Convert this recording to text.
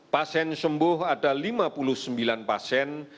pasien sembuh ada lima puluh sembilan pasien